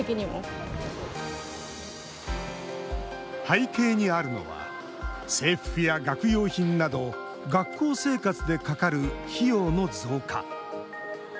背景にあるのは制服や学用品など学校生活でかかる費用の増加。